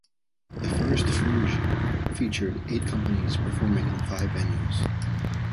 The first Fringe featured eight companies performing in five venues.